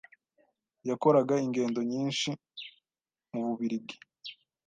Yakoraga ingendo nyinshi mu bubirigi,